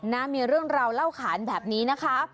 นะมีเรื่องราวเล่าขานแบบนี้นะคะ